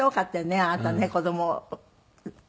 あなたね子ども。